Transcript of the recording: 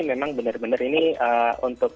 memang benar benar ini untuk